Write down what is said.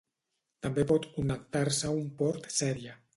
També pot connectar-se a un port sèrie.